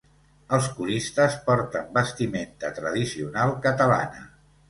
Els coristes porten vestimenta tradicional catalana.